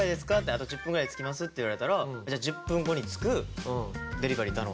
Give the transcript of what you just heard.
「あと１０分ぐらいで着きます」って言われたら１０分後に着くデリバリー頼んで。